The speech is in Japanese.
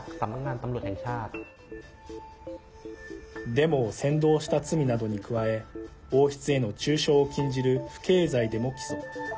デモを扇動した罪などに加え王室への中傷を禁じる不敬罪でも起訴。